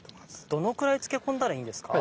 どのくらい漬け込んだらいいんですか？